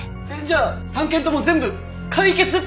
じゃあ３件とも全部解決って事？